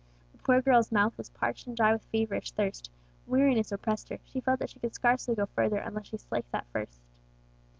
The poor girl's mouth was parched and dry with feverish thirst; weariness oppressed her; she felt that she could scarcely go further unless she slaked that thirst.